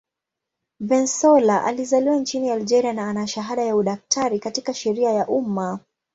Bensaoula alizaliwa nchini Algeria na ana shahada ya udaktari katika sheria ya umma.